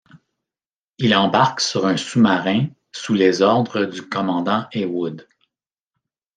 Il embarque sur un sous-marin sous les ordres du Commandant Heywood.